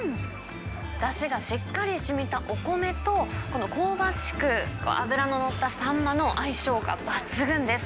だしがしっかりしみたお米と、この香ばしく脂の乗ったサンマの相性が抜群です。